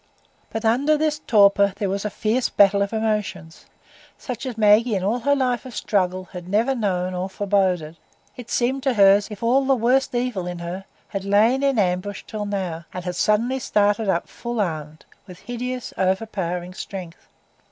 But under this torpor there was a fierce battle of emotions, such as Maggie in all her life of struggle had never known or foreboded; it seemed to her as if all the worst evil in her had lain in ambush till now, and had suddenly started up full armed, with hideous, overpowering strength!